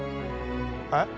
えっ？